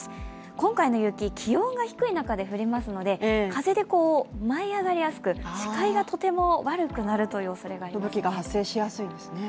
今回の雪、気温が低い中で降りますので風で舞い上がりやすく視界がとても悪くなるというおそれがあります